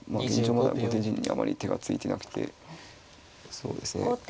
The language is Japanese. まだ後手陣にあまり手がついてなくてそうですね